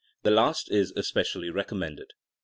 The last is especially recommended.